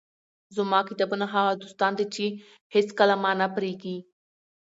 زما کتابونه هغه دوستان دي، چي هيڅکله مانه پرېږي.